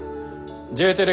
Ｊテレ